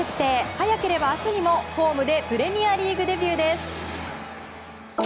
早ければ明日にもホームでプレミアリーグデビューです。